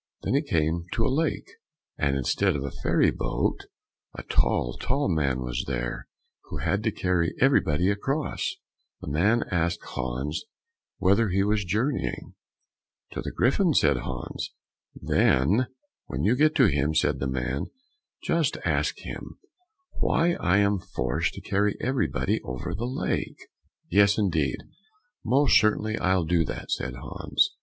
Then he came to a lake, and instead of a ferry boat, a tall, tall man was there who had to carry everybody across. The man asked Hans whither he was journeying? "To the Griffin," said Hans. "Then when you get to him," said the man, "just ask him why I am forced to carry everybody over the lake." "Yes, indeed, most certainly I'll do that," said Hans.